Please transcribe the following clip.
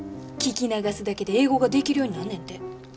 聞き流すだけで英語ができるようになんねんて。